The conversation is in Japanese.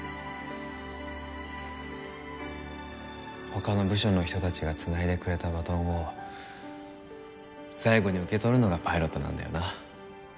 他の部署の人たちが繋いでくれたバトンを最後に受け取るのがパイロットなんだよな。